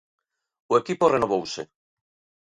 O equipo renovouse.